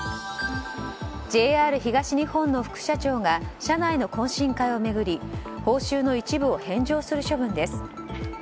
ＪＲ東日本の副社長が社内の懇親会を巡り報酬の一部を返上する処分です。